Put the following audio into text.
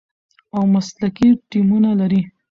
او مسلکي ټیمونه لري،